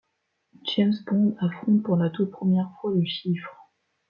James Bond affronte pour la toute première fois Le Chiffre.